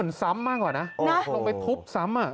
มันซ้ำมากกว่านะลงไปทุบซ้ำ